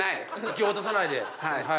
気を落とさないで。